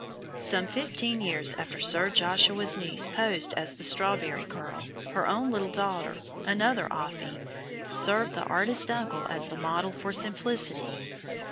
] Some fifteen years after Sir Joshua's niece posed as the Strawberry Girl, her own little daughter, another "Offy," served the artist uncle as the model for Simplicity.